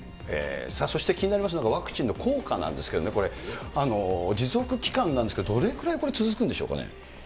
そして気になりますのが、ワクチンの効果なんですけどもね、これ持続期間なんですけど、どれくらいこれ、続くんでしょう